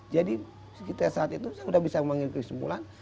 jadi sekitar saat itu saya sudah bisa memanggil kesimpulan